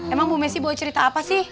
emang bu messi boleh cerita apa sih